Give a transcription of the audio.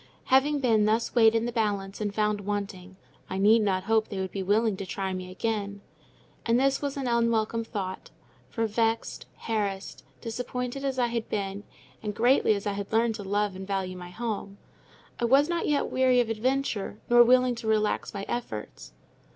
Having been thus weighed in the balance and found wanting, I need not hope they would be willing to try me again. And this was an unwelcome thought; for vexed, harassed, disappointed as I had been, and greatly as I had learned to love and value my home, I was not yet weary of adventure, nor willing to relax my efforts.